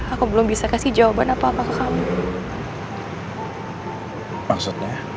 aku belum bisa kasi jawaban apa apa ke kamu